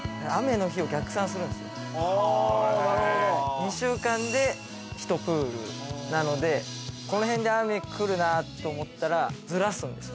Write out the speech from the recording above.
２週間で１プールなのでこの辺で雨くるなと思ったらずらすんですよ